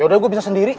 yaudah gua bisa sendiri